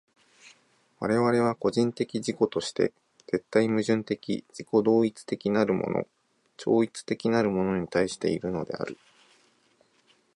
我々は個人的自己として絶対矛盾的自己同一的なるもの超越的なるものに対しているのである。